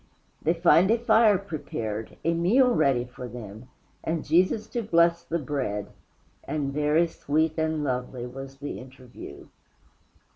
They find a fire prepared, a meal ready for them, and Jesus to bless the bread, and very sweet and lovely was the interview.